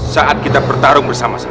saat kita berjalan ke tempat yang lebih baik